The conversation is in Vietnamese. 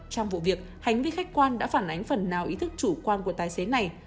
trong vụ việc hành vi khách quan đã phản ánh phần nào ý thức chủ quan của tài xế này